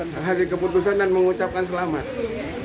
sebelumnya jakan bersatu juga sempat menerima nasionalitas